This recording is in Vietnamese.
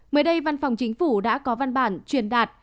mới đây văn phòng chính phủ đã có văn bản truyền đạt